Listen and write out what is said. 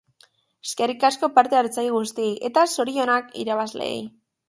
Eskerrik asko parte-hartzaile guztiei, eta zorionak irabazleei!